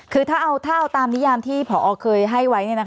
คือถ้าเอาตามนิยามที่ผอเคยให้ไว้